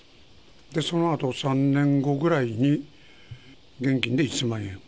そのあと３年後ぐらいに、現金で１０００万円。